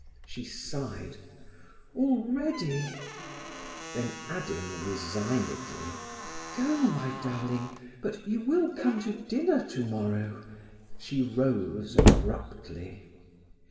She sighed: "Already!" Then adding resignedly: "Go, my darling, but you will come to dinner tomorrow"; she rose abruptly.